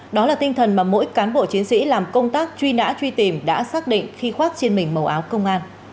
đó là tinh thần mà mỗi cán bộ chiến sĩ làm công tác truy nã truy tìm đã xác định khi khoác trên mình màu áo công an